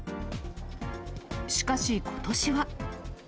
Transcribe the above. しかし、ことしは。